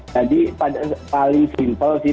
jadi paling simple sih